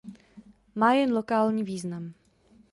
Má jen lokální význam.